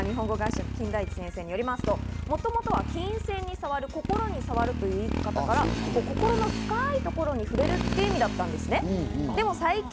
この理由なんですが、金田一先生によりますと、もともとは琴線にさわる、心にさわるという意味から心の深いところに触れるという意味だったんですね。